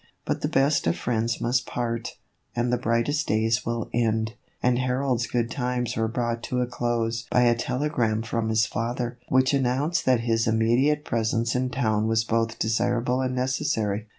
But the best of friends must part, and the brightest days will end, and Harold's good times were brought to a close by a telegram from his father, which an nounced that his immediate presence in town was both desirable and necessary.